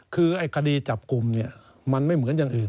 คือไอ้คดีจับกลุ่มเนี่ยมันไม่เหมือนอย่างอื่น